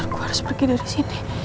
aku harus pergi dari sini